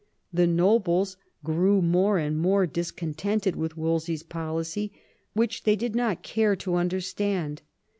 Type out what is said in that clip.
The nobles grew more and more dis contented with Wolsey's policy, which they did not care to understand.